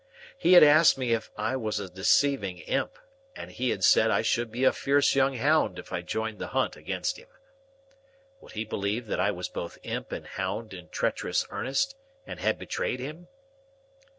He had asked me if I was a deceiving imp, and he had said I should be a fierce young hound if I joined the hunt against him. Would he believe that I was both imp and hound in treacherous earnest, and had betrayed him?